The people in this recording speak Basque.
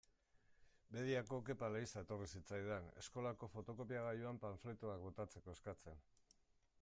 Bediako Kepa Leiza etorri zitzaidan, eskolako fotokopiagailuan panfletoak botatzeko eskatzen.